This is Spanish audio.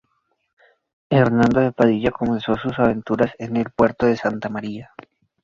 Hernando de Padilla comenzó sus aventuras en El Puerto de Santa María.